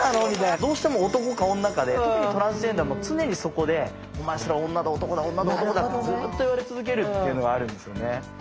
どうしても男か女かで特にトランスジェンダーは常にそこでお前それは女だ男だ女だ男だってずっと言われ続けるっていうのがあるんですよね。